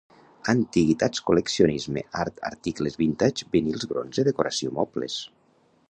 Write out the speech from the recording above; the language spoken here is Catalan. antiguitats col·leccionisme art articles vintage vinils bronze decoració mobles